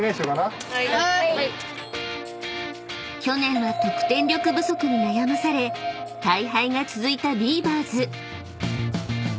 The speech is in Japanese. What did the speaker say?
［去年は得点力不足に悩まされ大敗が続いたビーバーズ］